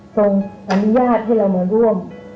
อนุญาตให้เรามาร่วม